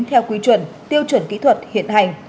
theo quy chuẩn tiêu chuẩn kỹ thuật hiện hành